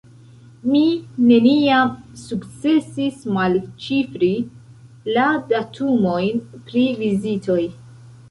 Mi neniam sukcesis malĉifri la datumojn pri vizitoj.